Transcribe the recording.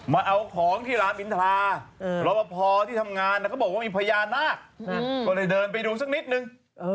มาเอาของที่รามอินทรารอปภที่ทำงานเขาบอกว่ามีพญานาคก็เลยเดินไปดูสักนิดนึง